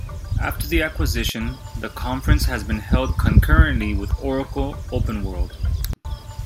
After the acquisition, the conference has been held concurrently with Oracle OpenWorld.